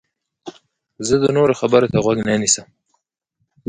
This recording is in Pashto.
زه د نورو خبرو ته غوږ نیسم.